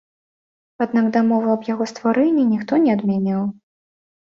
Аднак дамовы аб яго стварэнні ніхто не адмяняў.